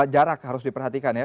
jarak harus diperhatikan ya